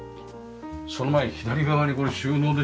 その前に左側にこれ収納でしょ？